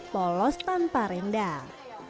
polos tanpa rendah